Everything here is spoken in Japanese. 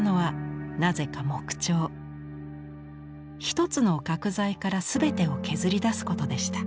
一つの角材から全てを削り出すことでした。